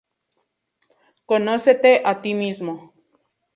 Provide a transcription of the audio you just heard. Conócete a ti mismo